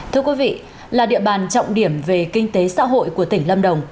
thưa quý vị là địa bàn trọng điểm về kinh tế xã hội của tỉnh lâm đồng